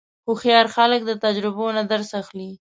هوښیار خلک د تجربو نه درس اخلي.